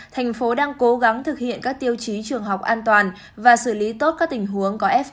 thành phố đang cố gắng thực hiện các tiêu chí trường học an toàn và xử lý tốt các tình huống có f